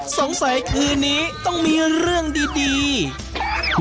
คืนนี้ต้องมีเรื่องดี